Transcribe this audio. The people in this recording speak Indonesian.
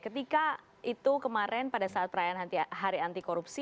ketika itu kemarin pada saat perayaan hari anti korupsi